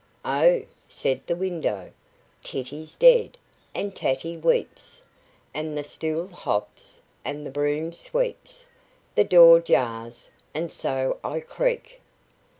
"Oh!" said the window, "Titty's dead, and Tatty weeps, and the stool hops, and the broom sweeps, the door jars, and so I creak."